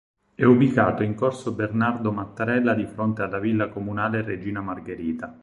È ubicato in Corso Bernardo Mattarella di fronte alla Villa comunale Regina Margherita.